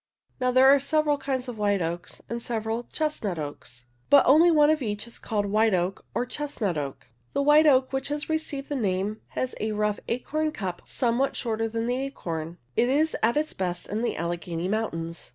Now there are several kinds of white oaks and , several chestnut oaks, but only one of each is called " white oak " or " chestnut oak." The white oak which °*''' has received the name has a rough acorn cup, somewhat shorter than the acorn (Fig. 4). It is at its best in the Alleghany Moun tains.